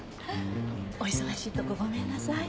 お忙しいとこごめんなさい。